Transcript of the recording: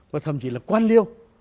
và thậm chí là quan liêu